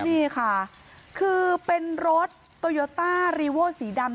นี่ค่ะคือเป็นรถโตโยต้ารีโว้สีดำ